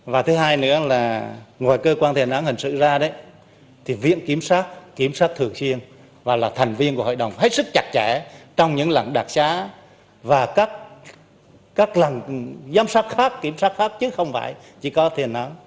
và thứ hai nữa là ngoài cơ quan thi hành án hình sự ra đấy thì viện kiểm soát kiểm soát thường xuyên và là thành viên của hội đồng hết sức chặt chẽ trong những lần đặc xá và các lần giám sát khác kiểm soát pháp chứ không phải chỉ có thiền án